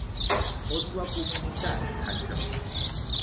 On ho ha comunicat, això?